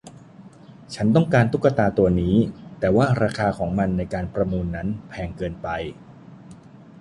ฉันต้องการตุ๊กตาตัวนี้ แต่ว่าราคาของมันในการประมูลนั้นแพงเกินไป